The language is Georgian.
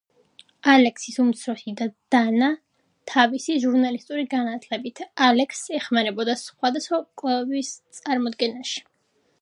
ალექსის უმცროსი და დანა თავისი ჟურნალისტური განათლებით, ალექსს ეხმარებოდა სხვადასხვა კვლევების წარმოდგენაში.